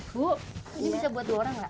bu ini bisa buat dua orang nggak